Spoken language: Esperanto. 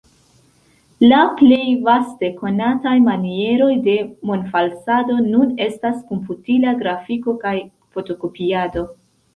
La plej vaste konataj manieroj de monfalsado nun estas komputila grafiko kaj fotokopiado.